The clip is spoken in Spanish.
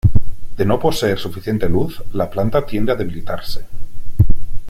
De no poseer suficiente luz, la planta tiende a debilitarse.